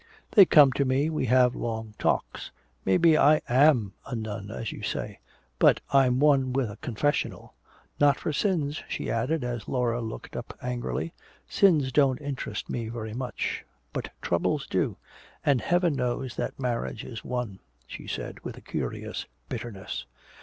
They come to me, we have long talks. Maybe I am a nun as you say but I'm one with a confessional. Not for sins," she added, as Laura looked up angrily. "Sins don't interest me very much. But troubles do. And heaven knows that marriage is one," she said with a curious bitterness.